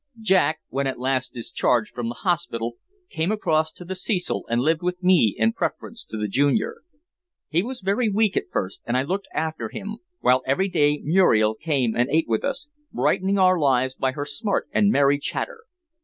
Jack, when at last discharged from the hospital, came across to the Cecil and lived with me in preference to the "Junior." He was very weak at first, and I looked after him, while every day Muriel came and ate with us, brightening our lives by her smart and merry chatter.